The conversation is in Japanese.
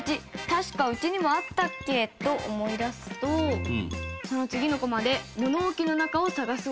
「たしかうちにもあったっけ」と思い出すとその次のコマで物置の中を探す